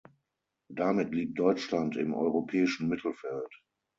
Damit liegt Deutschland im europäischen Mittelfeld.